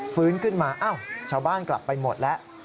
ฟื้นขึ้นมาอ้าวชาวบ้านกลับไปหมดแล้ว